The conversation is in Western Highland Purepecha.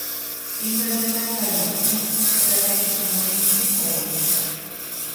Ima nanakarini pisiki sapichu ma intsïkwarhitʼi.